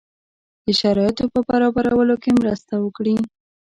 د شرایطو په برابرولو کې مرسته وکړي.